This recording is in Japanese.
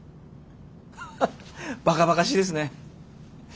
ハッバカバカしいですね。